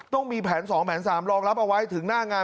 ต้องมีแผน๒แผน๓รองรับเอาไว้ถึงหน้างาน